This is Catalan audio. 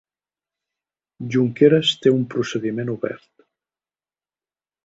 Junqueras té un procediment obert